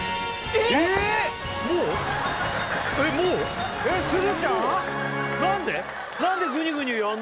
えっすずちゃん？